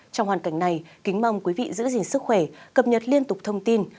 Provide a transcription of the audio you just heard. trong hoàn cảnh này kính mong quý vị giữ gìn sức khỏe cập nhật liên tục thông tin